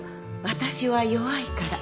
私は弱いから」。